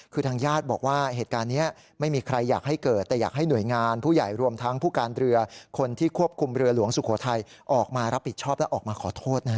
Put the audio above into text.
คือทางญาติบอกว่าเหตุการณ์นี้ไม่มีใครอยากให้เกิดแต่อยากให้หน่วยงานผู้ใหญ่รวมทั้งผู้การเรือคนที่ควบคุมเรือหลวงสุโขทัยออกมารับผิดชอบและออกมาขอโทษนะฮะ